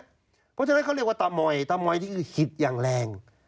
เพราะฉะนั้นเขาเรียกว่าตามอยตามอยนี่คือคิดอย่างแรง